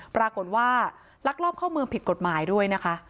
ปรากฏว่าลักลอบเข้าเมืองผิดกฎหมายด้วยนะคะ